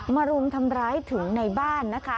รุมทำร้ายถึงในบ้านนะคะ